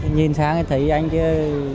nhìn sang thì thấy anh kia